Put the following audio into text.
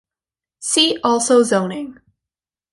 See also zoning.